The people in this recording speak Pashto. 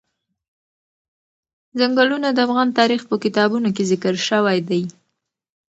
ځنګلونه د افغان تاریخ په کتابونو کې ذکر شوی دي.